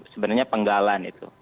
sebenarnya penggalan itu